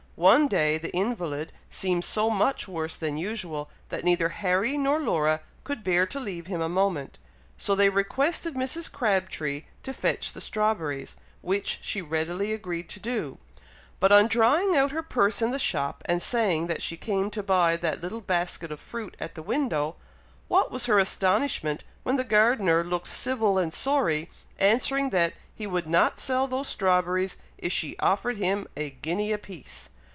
One day the invalid seemed so much worse than usual, that neither Harry nor Laura could bear to leave him a moment; so they requested Mrs. Crabtree to fetch the strawberries, which she readily agreed to do; but on drawing out her purse in the shop, and saying that she came to buy that little basket of fruit at the window, what was her astonishment when the gardener looked civil and sorry, answering that he would not sell those strawberries if she offered him a guinea a piece.